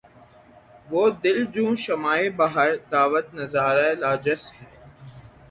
وہ دل جوں شمعِ بہرِ دعوت نظارہ لا‘ جس سے